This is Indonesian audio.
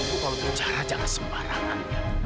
itu kalau bicara jangan sembarangan